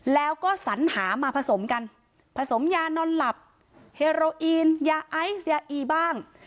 แล้วก็สัญหามาผสมกันผสมยานอนหลับเฮโรอีนยาไอซ์ยาอีบ้าง